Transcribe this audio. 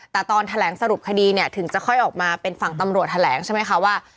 แต่ตอนแถลงสรุปคดีเนี่ยถึงจะค่อยออกมาเป็นฝั่งตำรวจแถลงใช่ไหมคะว่า